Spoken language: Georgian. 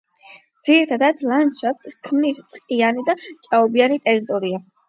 ძირითად ლანდშაფტს ქმნის ტყიანი და ჭაობიანი ტერიტორია.